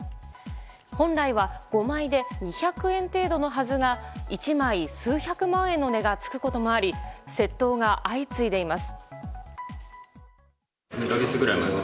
本来は５枚で２００円程度のはずが１枚数百万円の値が付くこともあり窃盗が相次いでいます。